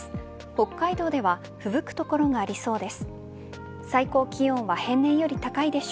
北海道ではふぶく所がありそうです。